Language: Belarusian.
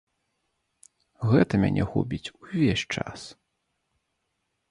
Гэта мяне губіць увесь час.